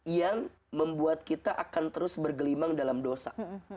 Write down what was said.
yang membuat kita akan terus bergelimang dalam dosa